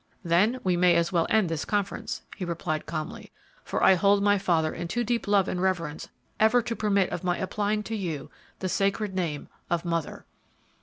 "Then we may as well end this conference," he replied, calmly, "for I hold my father in too deep love and reverence ever to permit of my applying to you the sacred name of 'Mother.'"